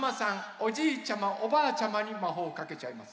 おじいちゃまおばあちゃまにまほうをかけちゃいます。